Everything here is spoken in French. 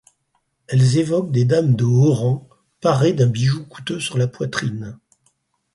Elles évoquent des dames de haut rang parées d'un bijou coûteux sur la poitrine.